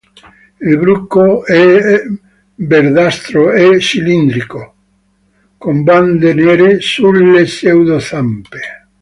Il bruco è verdastro e cilindrico, con bande nere sulle pseudozampe.